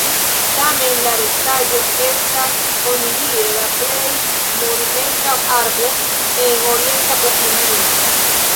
Tamen la restaĵo estas onidire la plej monumenta arbo en orienta Bohemio.